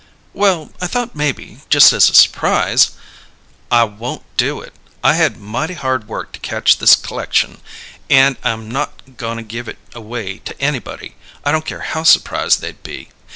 "Well, I thought maybe just as a surprise " "I won't do it. I had mighty hard work to catch this c'lection, and I'm not goin' to give it away to anybody, I don't care how surprised they'd be!